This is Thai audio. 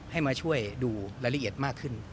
ให้มาช่วยดูรายละเอียดมากขึ้น